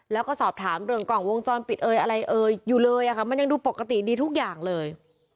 แล้วก็สอบถามเรื่องกล่องวงจรปิดเอ่ยอะไรเอ่ยอยู่เลยค่ะมันยังดูปกติดีทุกอย่างเลย